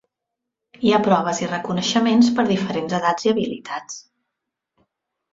Hi ha proves i reconeixements per a diferents edats i habilitats.